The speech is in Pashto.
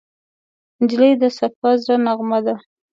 نجلۍ د صفا زړه نغمه ده.